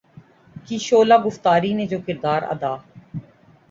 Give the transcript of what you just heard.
کی شعلہ گفتاری نے جو کردار ادا